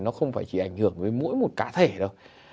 nó không phải chỉ ảnh hưởng với mỗi một cá thể đâu